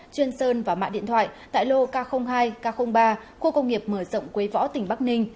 chuyên sơn và mạng điện thoại tại lô k hai k ba khu công nghiệp mở rộng quế võ tỉnh bắc ninh